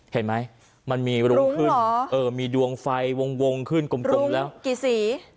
เห็นไหมมันมีรุ้งขึ้นหรอเออมีดวงไฟวงขึ้นกุมแล้วรุ้งกี่สี